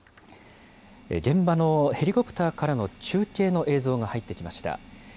現場のヘリコプターからの中継の映像が入ってきました。